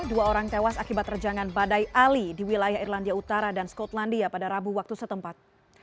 dua orang tewas akibat terjangan badai ali di wilayah irlandia utara dan skotlandia pada rabu waktu setempat